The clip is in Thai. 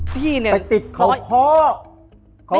ไปติดขาว